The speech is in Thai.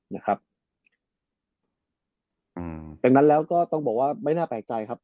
นะครับอืมดังนั้นแล้วก็ต้องบอกว่าไม่น่าแปลกใจครับ